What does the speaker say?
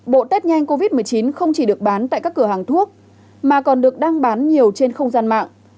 bộ test nhanh covid một mươi chín không chỉ được bán tại các cửa hàng thuốc mà còn được đăng bán nhiều trên không gian mạng